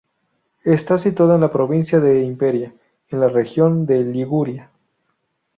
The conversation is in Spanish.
Está situada en la provincia de Imperia, en la región de Liguria.